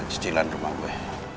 cicilan rumah gue